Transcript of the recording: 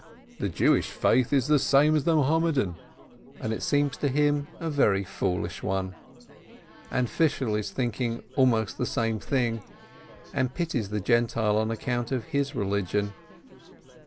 "The Jewish faith is the same as the Mahommedan !" and it seems to him a very foolish one. And Fishel is thinking almost the same thing, and pities the Gentile on account of his religion.